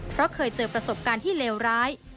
เพราะเคยเจอประสบการณ์ที่เลวร้าย